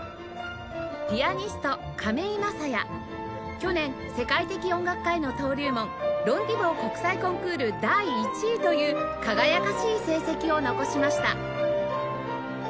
去年世界的音楽家への登竜門ロン＝ティボー国際コンクール第１位という輝かしい成績を残しました